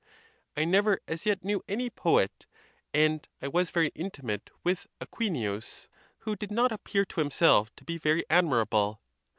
I never as yet knew any poet (and I was very intimate with Aquinius), who did not ap pear to himself to be very admirable.